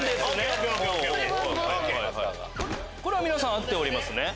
これは皆さん合っておりますね。